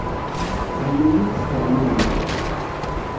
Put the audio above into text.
Ɣenni-iyi-d, ssefhem-iyi-d